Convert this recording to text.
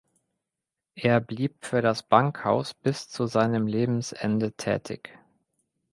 Er blieb für das Bankhaus bis zu seinem Lebensende tätig.